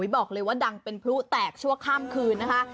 บอกเลยว่าดังเป็นพลุแตกชั่วข้ามคืนนะคะ